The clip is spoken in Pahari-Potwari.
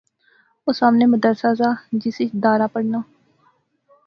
اوہ سامنے مدرسہ زا جس اچ دارا پڑھنا